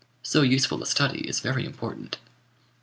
So useful a study is very important."